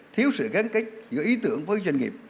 thiếu sự gắn kết giữa ý tưởng với doanh nghiệp